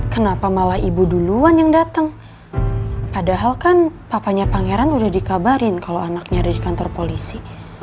kenapa malah ibu duluan yang datang padahal kan papanya pangeran udah dikabarin kalau anaknya ada di kantor polisi